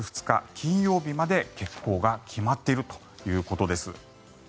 金曜日まで欠航が決まっているということです。